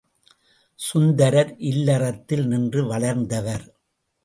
சுந்தரர் இல்லறத்தில் நின்று வளர்ந்தவர்.